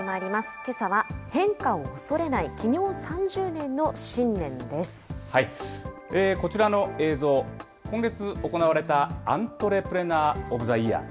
けさは、変化を恐れない、こちらの映像、今月行われたアントレプレナー・オブ・ザ・イヤー。